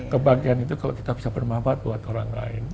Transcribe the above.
kebahagiaan itu kalau kita bisa bermanfaat buat orang lain